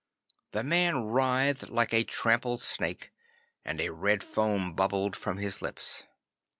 The man writhed like a trampled snake, and a red foam bubbled from his lips.